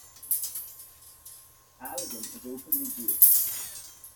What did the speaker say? Aillagon is openly gay.